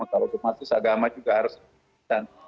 kalau di masjid agama juga harus berkesan